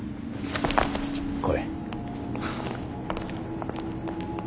来い。